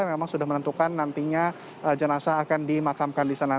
yang memang sudah menentukan nantinya jenazah akan dimakamkan di sana